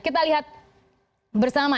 kita lihat bersama